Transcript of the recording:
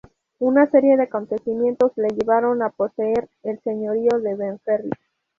Una serie de acontecimientos le llevaron a poseer el señorío de Benferri.